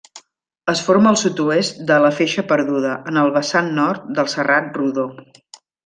Es forma al sud-oest de la Feixa Perduda, en el vessant nord del Serrat Rodó.